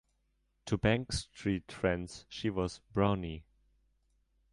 To Bank Street friends she was "Brownie".